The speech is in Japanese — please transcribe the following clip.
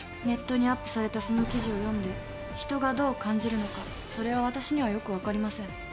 「ネットにアップされたその記事を読んで人がどう感じるのかそれは私にはよく分かりません」